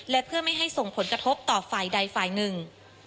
และเพื่อไม่ให้ส่งผลกระทบต่อฝ่ายใดฝ่ายหนึ่ง